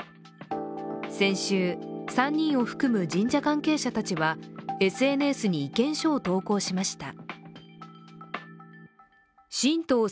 先週、３人を含む神社関係者たちはＳＮＳに意見書を投稿しました。